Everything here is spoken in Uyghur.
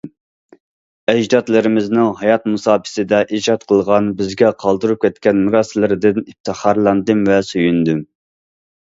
ئەجدادلىرىمىزنىڭ ھايات مۇساپىسىدە ئىجاد قىلغان، بىزگە قالدۇرۇپ كەتكەن مىراسلىرىدىن ئىپتىخارلاندىم ۋە سۆيۈندۈم.